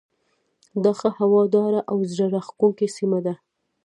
دا ښه هواداره او زړه راکښونکې سیمه ده.